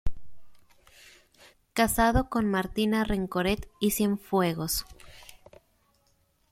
Casado con "Martina Rencoret y Cienfuegos".